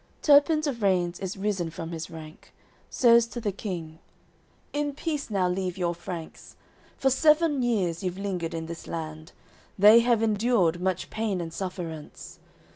XIX Turpins of Reins is risen from his rank, Says to the King: "In peace now leave your Franks. For seven years you've lingered in this land They have endured much pain and sufferance.